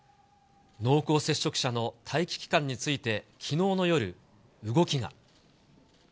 濃厚接触者の待機期間について、きのうの夜、動きが。